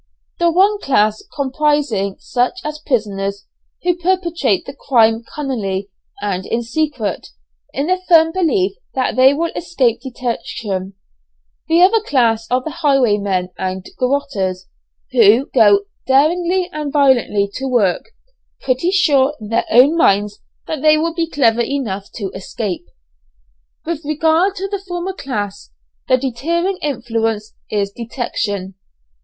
The one class comprising such as prisoners who perpetrate the crime cunningly and in secret, in the firm belief that they will escape detection; the other class are the highwaymen and garotters, who go daringly and violently to work, pretty sure in their own minds that they will be clever enough to escape. With regard to the former class, the deterring influence is detection.